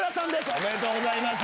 おめでとうございます。